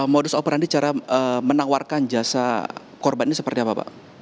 modus operandi cara menawarkan jasa korban ini seperti apa pak